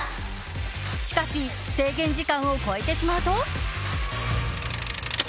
しかし制限時間を超えてしまうと。